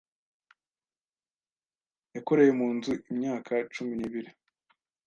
Yakoreye mu nzu imyaka cumi n'ibiri.